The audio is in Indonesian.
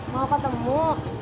mau apa temu